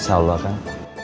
masya allah kang